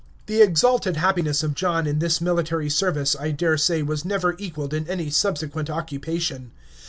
The exalted happiness of John in this military service I daresay was never equaled in any subsequent occupation.